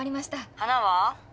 花は？